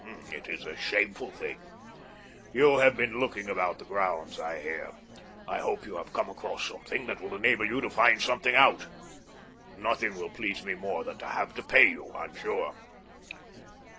It is a shameful thing. You have been looking about the grounds, I hear. I hope you have come across something that will enable you to find something out. Nothing will please me more than to have to pay you, I'm sure."